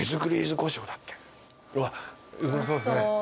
うわっうまそうっすね。